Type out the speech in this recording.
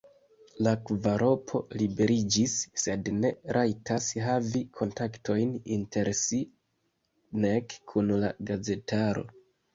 La kvaropo liberiĝis, sed ne rajtas havi kontaktojn inter si, nek kun la gazetaro.